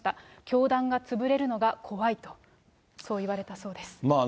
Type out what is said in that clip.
教団が潰れるのが怖いと、そう言われたそうです。